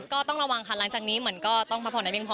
ก็ต้องระวังค่ะหลังจากนี้เหมือนก็ต้องพักผ่อนได้เพียงพอ